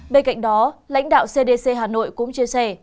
bên cạnh đó lãnh đạo cdc hà nội cũng chia sẻ